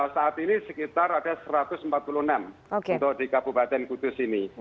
saat ini sekitar ada satu ratus empat puluh enam untuk di kabupaten kudus ini